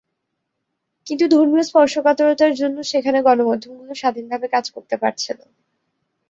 কিন্তু ধর্মীয় স্পর্শকাতরতার জন্য সেখানে গণমাধ্যমগুলো স্বাধীনভাবে কাজ করতে পারছে না।